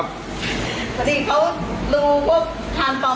พี่ออดทำเองหรอนะ